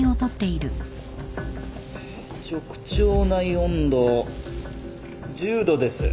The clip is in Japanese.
直腸内温度１０℃です。